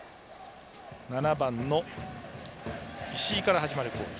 ７番の石井から始まる攻撃。